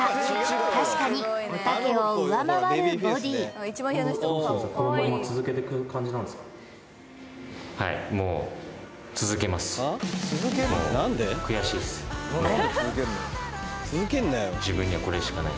確かにおたけを上回るボディはい